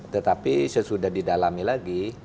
tetapi sesudah didalami lagi